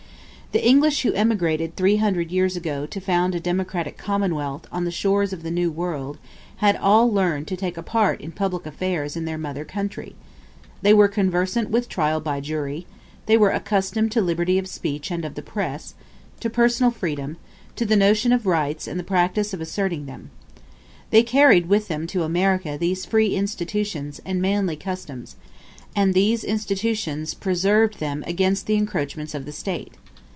The English who emigrated three hundred years ago to found a democratic commonwealth on the shores of the New World, had all learned to take a part in public affairs in their mother country; they were conversant with trial by jury; they were accustomed to liberty of speech and of the press to personal freedom, to the notion of rights and the practice of asserting them. They carried with them to America these free institutions and manly customs, and these institutions preserved them against the encroachments of the State.